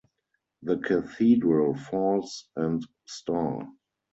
The Cathedral Falls and Sta.